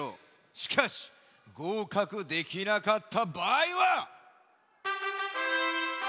しかしごうかくできなかったばあいは。